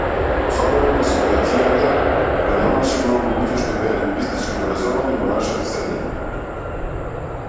Особено во ситуацијата кога немаше многу луѓе што беа лингвистички образовани во нашата средина.